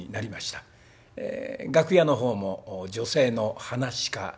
楽屋の方も女性の噺家